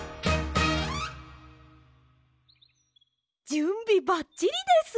じゅんびばっちりです！